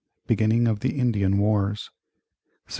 Beginning of the Indian wars 1644.